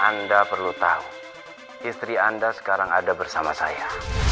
anda perlu tahu istri anda sekarang ada bersama saya